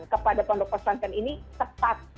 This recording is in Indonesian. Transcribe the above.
kepada pondok pesantren ini tepat